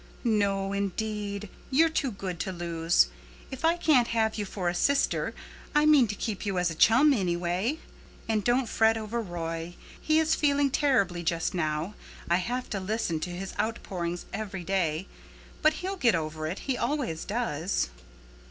"No, indeed. You're too good to lose. If I can't have you for a sister I mean to keep you as a chum anyway. And don't fret over Roy. He is feeling terribly just now—I have to listen to his outpourings every day—but he'll get over it. He always does."